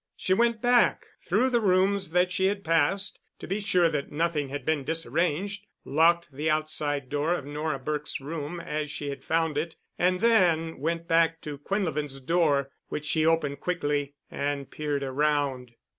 She went back through the rooms that she had passed, to be sure that nothing had been disarranged, locked the outside door of Nora Burke's room as she had found it, and then went back to Quinlevin's door which she opened quickly and peered around.